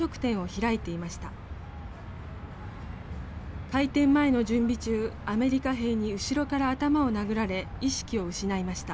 開店前の準備中アメリカ兵に後ろから頭を殴られ意識を失いました。